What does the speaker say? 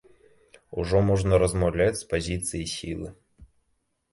Ужо можна размаўляць з пазіцыі сілы.